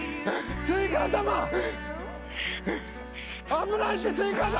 危ないってスイカ頭。